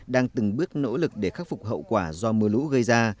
đang từng bước nỗ lực để khắc phục hậu quả do mưa lũ gây ra